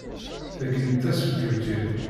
Tagi d taselkimt-inu.